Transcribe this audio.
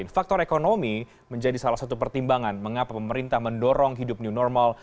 faktor ekonomi menjadi salah satu pertimbangan mengapa pemerintah mendorong hidup new normal